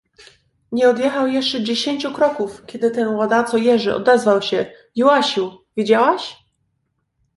"Nie odjechał jeszcze dziesięciu kroków, kiedy ten ladaco Jerzy, odezwał się: Joasiu, widziałaś?"